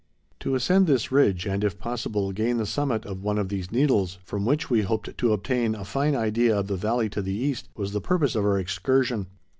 To ascend this ridge, and, if possible, gain the summit of one of these needles, from which we hoped to obtain a fine idea of the valley to the east, was the purpose of our excursion.